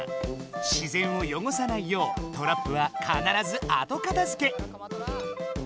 自然をよごさないようトラップはかならず後かたづけ。